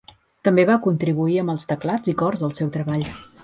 També va contribuir amb els teclats i cors al seu treball.